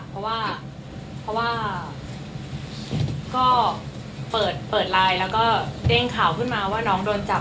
เพราะว่าเพราะว่าก็เปิดไลน์แล้วก็เด้งข่าวขึ้นมาว่าน้องโดนจับ